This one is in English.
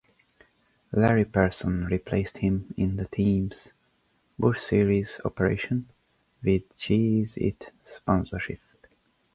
Larry Pearson replaced him in the team's Busch Series operation, with Cheez-It sponsorship.